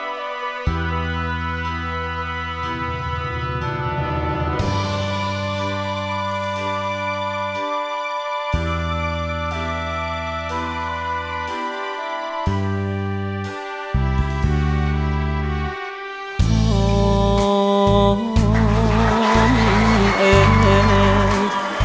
ท่รดูกที่คลปุ่ม